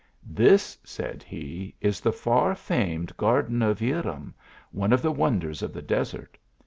This, said he, is the far famed garden of Irem, one of the wonders of the desert.